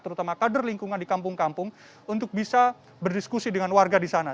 terutama kader lingkungan di kampung kampung untuk bisa berdiskusi dengan warga di sana